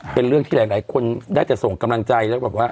เป็นเรื่องที่หลายคนได้แต่ส่งกำลังใจ